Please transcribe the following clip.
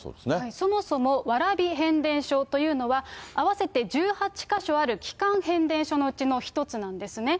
そもそも蕨変電所というのは、合わせて１８か所ある基幹変電所のうちの一つなんですね。